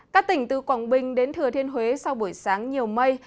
các tỉnh từ quảng bình đến thừa thiên huế sau buổi sáng nhiều mây